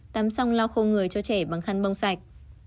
tắm sông lau khô người cho trẻ bằng khăn bông sạch